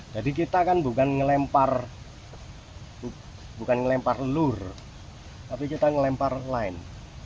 jadi kita kan bukan ngelempar lur tapi kita ngelempar line